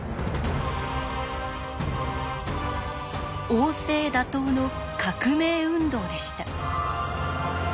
王政打倒の革命運動でした。